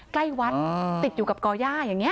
ใกล้วัดติดอยู่กับก่อย่าอย่างนี้